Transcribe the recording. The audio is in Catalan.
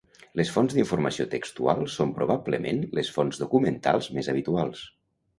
Les Fonts d'informació textual són probablement les fonts documentals més habituals.